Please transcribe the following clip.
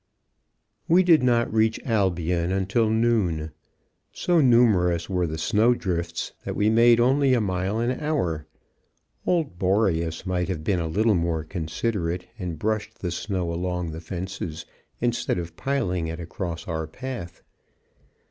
_ We did not reach Albion until noon. So numerous were the snow drifts that we made only a mile an hour. Old Boreas might have been a little more considerate and brushed the snow along the fences instead of piling it across our path.